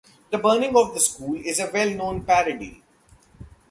The Burning of the School is a well-known parody.